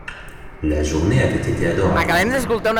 La journée avait été adorable.